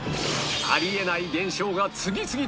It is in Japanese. あり得ない現象が次々と